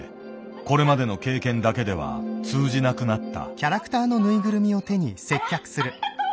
これまでの経験だけでは通じなくなった。